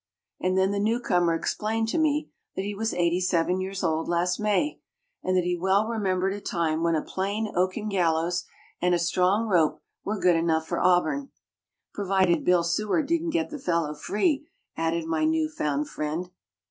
And then the newcomer explained to me that he was eighty seven years old last May, and that he well remembered a time when a plain oaken gallows and a strong rope were good enough for Auburn "provided Bill Seward didn't get the fellow free," added my new found friend.